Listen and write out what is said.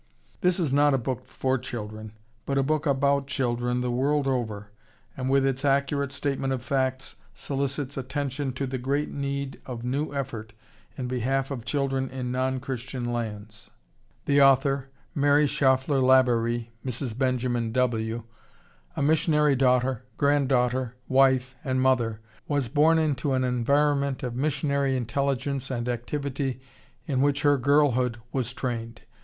This is not a book for children, but a book about children the world over, and with its accurate statement of facts solicits attention to the great need of new effort in behalf of children in non Christian lands. The author, Mary Schauffler Labaree (Mrs. Benjamin W.), a missionary daughter, granddaughter, wife, and mother, was born into an environment of missionary intelligence and activity in which her girlhood was trained.